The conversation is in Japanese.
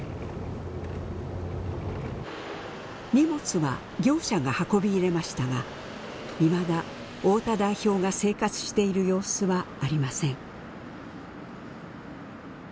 荷物は業者が運び入れましたがいまだ太田代表が生活している様子はありません。